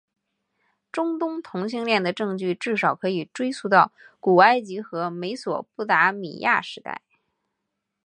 中东同性恋的证据至少可以追溯到古埃及和美索不达米亚时代。